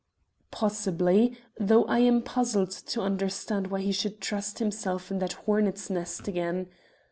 "Possibly, though I am puzzled to understand why he should trust himself in that hornets' nest again.